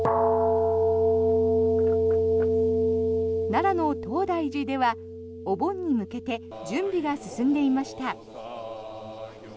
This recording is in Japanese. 奈良の東大寺ではお盆に向けて準備が進んでいました。